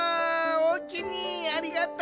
おおきにありがと！